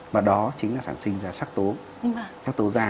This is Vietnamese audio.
và đó chính là sản sinh ra sắc tố xác tố da